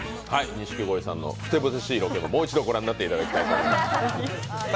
錦鯉さんのふてぶてしいロケをもう一度御覧になっていただきたいと思います。